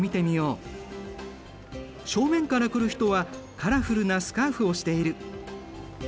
正面から来る人はカラフルなスカーフをしている。